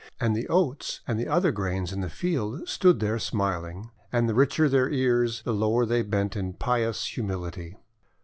And the Oats and the other grains in the fields stood there smiling; and the richer their ears, the lower they bent in pious humility.